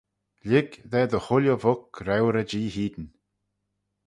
Lhig dy chooilley vuck reuyrey jee hene